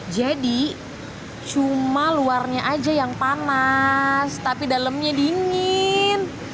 jadi cuma luarnya aja yang panas tapi dalamnya dingin